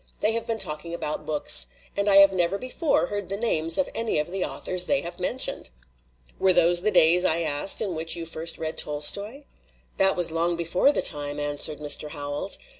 They have been talking about books. And I have never before heard the names of any of the authors they have mentioned." "Were those the days,'* I asked, "in which you first read Tolstoy?" "That was long before the time," answered Mr. Howells.